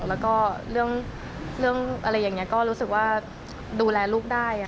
แล้วก็เรื่องอะไรอย่างนี้ก็รู้สึกว่าดูแลลูกได้